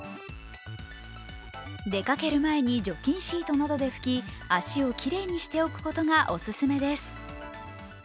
出かける前に除菌シートなどで吹き足をきれいにしておくことがオススメです。